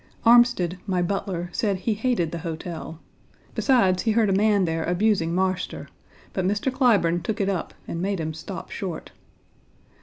Armsted, my butler, said he hated the hotel. Besides, he heard a man there abusing Marster, but Mr. Clyburne took it up and made him stop short.